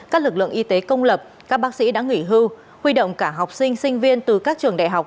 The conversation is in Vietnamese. các lực lượng y tế công lập các bác sĩ đã nghỉ hưu huy động cả học sinh sinh viên từ các trường đại học